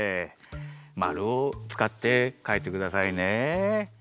まるをつかってかいてくださいね。